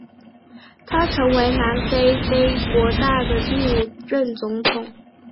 他成为南非非国大的第五任总统。